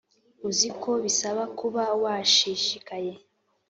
uziko bisaba kuba washishikaye